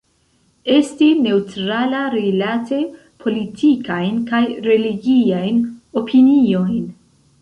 Esti neŭtrala rilate politikajn kaj religiajn opiniojn.